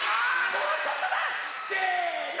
もうちょっとだ！せの！